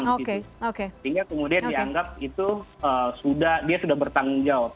sehingga kemudian dianggap itu dia sudah bertanggung jawab